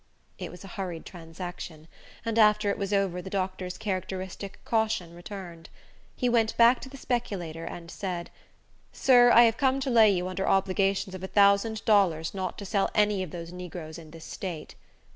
It was a hurried transaction; and after it was over, the doctor's characteristic caution returned. He went back to the speculator, and said, "Sir, I have come to lay you under obligations of a thousand dollars not to sell any of those negroes in this state."